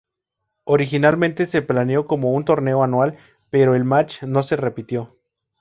Originalmente se planeó como un torneo anual, pero el match no se repitió.